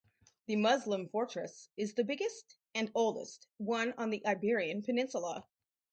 The Muslim fortress is the biggest and oldest one on the Iberian peninsula.